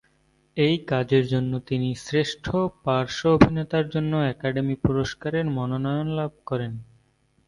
এই কাজের জন্য তিনি শ্রেষ্ঠ পার্শ্ব অভিনেতার জন্য একাডেমি পুরস্কারের মনোনয়ন লাভ করেন।